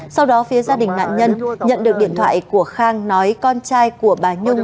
sau đó phía gia đình nạn nhân nhận được điện thoại của khang nói con trai của bà nhung